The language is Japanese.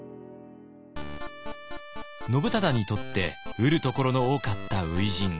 信忠にとって得るところの多かった初陣。